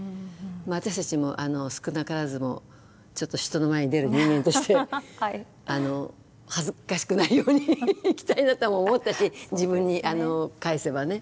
私たちも少なからずもちょっと人の前に出る人間として恥ずかしくないように生きたいなとも思ったし自分に返せばね。